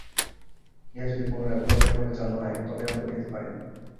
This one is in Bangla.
ইহা যদি পুনরায় পুরাপুরিভাবে চালু হয়, তবেই আমরা উঠিতে পারিব।